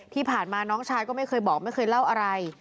ที่ผ่านมาน้องชายก็ไม่เคยบอกไม่เคยเล่าอะไร